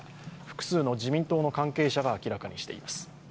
複数の自民党の関係者が明らかにしています。